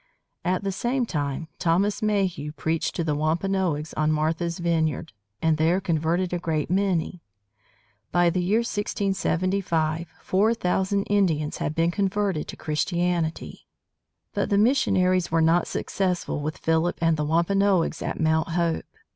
At the same time, Thomas Mayhew preached to the Wampanoags on Martha's Vineyard, and there converted a great many. By the year 1675, four thousand Indians had been converted to Christianity. But the missionaries were not successful with Philip and the Wampanoags at Mount Hope.